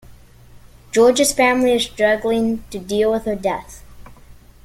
George's family is struggling to deal with her death.